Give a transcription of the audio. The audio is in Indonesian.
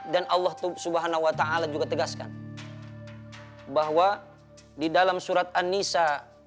dan allah swt juga tegaskan bahwa di dalam surat an nisa